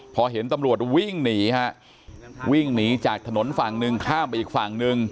พอเห็นตำรวจวิ่งหนีฮะวิ่งหนีจากถนนฝั่งหนึ่งข้ามไปอีกฝั่งหนึ่ง